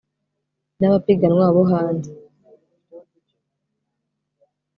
n abapiganwa bo hanze